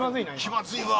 気まずいわ。